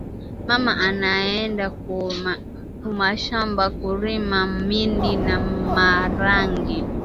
mama anaenda ku mashamba kurima mindi na maragi